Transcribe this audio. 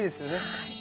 はい。